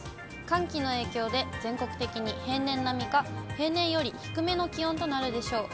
寒気の影響で、全国的に平年並みか、平年より低めの気温となるでしょう。